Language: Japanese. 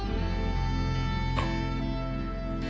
ああ。